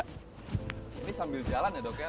ini sambil jalan ya dok ya